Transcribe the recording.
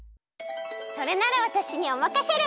それならわたしにおまかシェル。